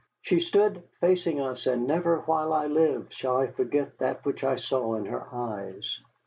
She stood facing us, and never while I live shall I forget that which I saw in her eyes.